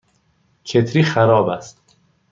کتری خراب است.